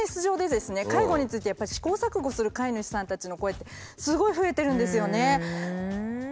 介護についてやっぱり試行錯誤する飼い主さんたちの声ってすごい増えてるんですよね。